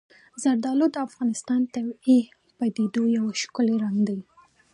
زردالو د افغانستان د طبیعي پدیدو یو ښکلی رنګ دی.